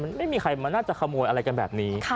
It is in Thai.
มันไม่มีใครมันน่าจะขโมยอะไรกันแบบนี้